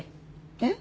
えっ？